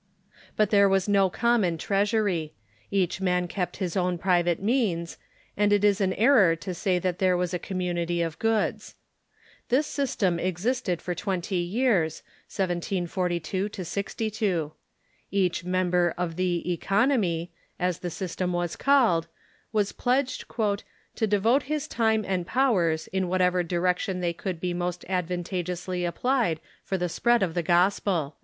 '' But there was no common treasury ; each man kept his own private means ; and it is an error to say that there was a community of goods. This system existed for twenty years (1742 02). Each member of the "Economy," * Some ffive the date as 1740. THE MORAVIAN CUURCII 000 as tlie system was called, was pledged "to devote his time and powers in whatever direction they could be most advan tageously" applied for the spread of the gospel."